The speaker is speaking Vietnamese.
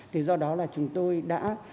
thì do đó là chúng tôi đã